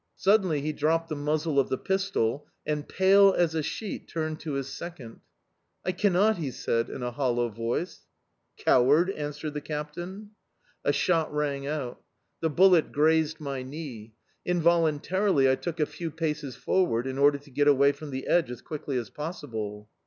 Suddenly he dropped the muzzle of the pistol and, pale as a sheet, turned to his second. "I cannot," he said in a hollow voice. "Coward!" answered the captain. A shot rang out. The bullet grazed my knee. Involuntarily I took a few paces forward in order to get away from the edge as quickly as possible.